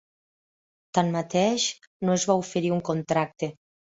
Tanmateix, no es va oferir un contracte.